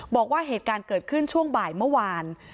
บอกว่าเหตุการณ์เกิดขึ้นช่วงบ่ายเมื่อวาน